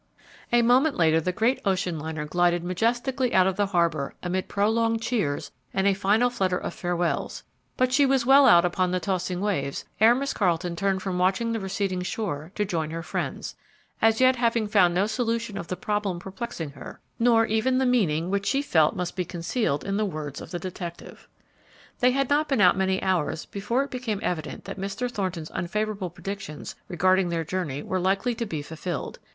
A moment later the great ocean liner glided majestically out from the harbor amid prolonged cheers and a final flutter of farewells; but she was well out upon the tossing waves ere Miss Carleton turned from watching the receding shore to join her friends, as yet having found no solution of the problem perplexing her, nor even the meaning which she felt must be concealed in the words of the detective. They had not been out many hours before it became evident that Mr. Thornton's unfavorable predictions regarding their journey were likely to be fulfilled.